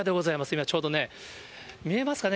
今ちょうどね、見えますかね。